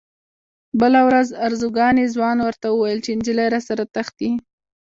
بله ورځ ارزګاني ځوان ورته وویل چې نجلۍ راسره تښتي.